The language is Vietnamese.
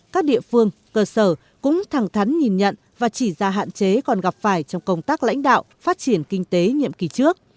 các địa phương cơ sở cũng thẳng thắn nhìn nhận và chỉ ra hạn chế còn gặp phải trong công tác lãnh đạo phát triển kinh tế nhiệm kỳ trước